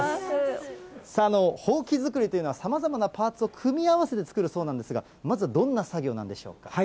ほうき作りというのは、さまざまなパーツを組み合わせて作るそうなんですが、まずはどんな作業なんでしょうか。